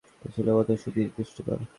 এই ছিল আজকের মতো, সুধী দর্শকবৃন্দ!